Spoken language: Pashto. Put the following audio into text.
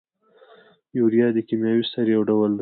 یوریا د کیمیاوي سرې یو ډول دی.